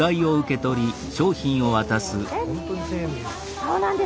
そうなんです！